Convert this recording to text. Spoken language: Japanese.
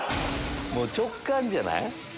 もう直感じゃない？